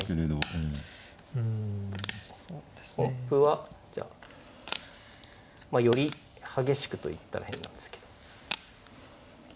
本譜はより激しくと言ったら変なんですけど。